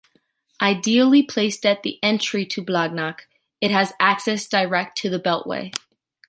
Ideally placed at the entry to Blagnac, it has access direct onto the beltway.